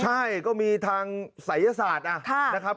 ใช่ก็มีทางศัยศาสตร์นะครับ